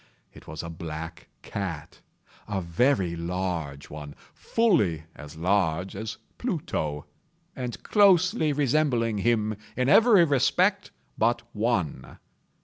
It was a black cat—a very large one—fully as large as Pluto, and closely resembling him in every respect but one.